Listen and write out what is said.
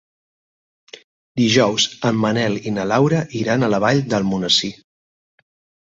Dijous en Manel i na Laura iran a la Vall d'Almonesir.